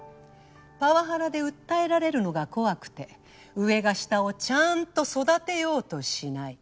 パワハラで訴えられるのが怖くて上が下をちゃんと育てようとしない。